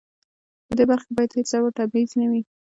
په دې برخه کې باید هیڅ ډول تبعیض نه وي.